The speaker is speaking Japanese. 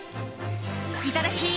いただき！